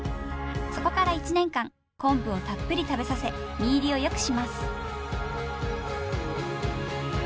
そこから１年間昆布をたっぷり食べさせ実入りをよくします。